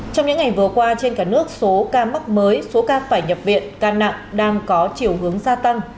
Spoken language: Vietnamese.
trong những ngày vừa qua trên cả nước số ca mắc mới số ca phải nhập viện ca nặng đang có chiều hướng gia tăng